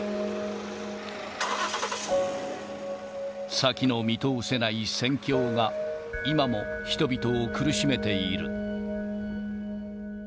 先の見通せない戦況が今も人々を苦しめている。